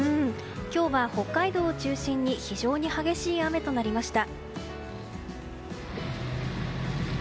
今日は北海道を中心に非常に激しい雨となりました。